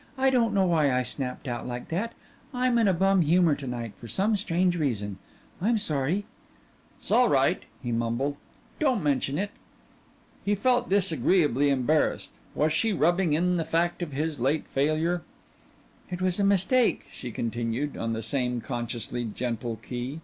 "I don't know why I snapped out that way. I'm in a bum humor to night for some strange reason. I'm sorry." "S'all right," he mumbled, "don't mention it." He felt disagreeably embarrassed. Was she rubbing in the fact of his late failure? "It was a mistake," she continued, on the same consciously gentle key.